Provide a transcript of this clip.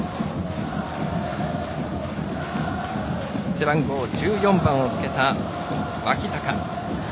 背番号１４番をつけた脇坂。